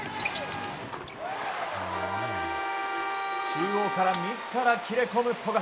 中央から自ら切れ込む富樫。